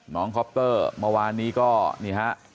คอปเตอร์เมื่อวานนี้ก็นี่ฮะ